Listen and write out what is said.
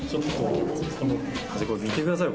見てくださいよ